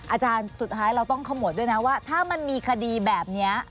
อาจารย์สุดท้ายเราต้องขมวดด้วยนะว่าถ้ามันมีคดีแบบนี้